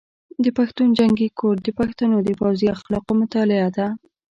د پښتون جنګي کوډ د پښتنو د پوځي اخلاقو مطالعه ده.